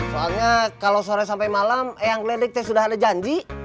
soalnya kalau sore sampai malam eyang kliniknya sudah ada janji